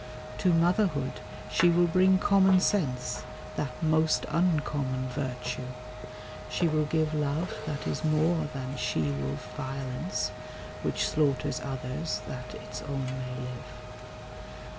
To motherhood she will bring common sense— That most uncommon virtue. She will give Love that is more than she wolf violence (Which slaughters others that its own may live).